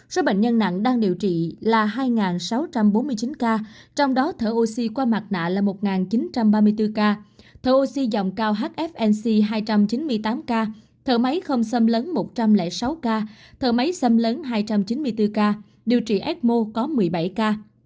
số bệnh nhân nặng đang điều trị là hai sáu trăm bốn mươi chín ca trong đó thở oxy qua mặt nạ là một chín trăm ba mươi bốn ca thô dòng cao hfnc hai trăm chín mươi tám ca thở máy không xâm lấn một trăm linh sáu ca thở máy xâm lấn hai trăm chín mươi bốn ca điều trị ecmo có một mươi bảy ca